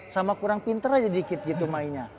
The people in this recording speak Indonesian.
sama kurang pinter aja dikit gitu mainnya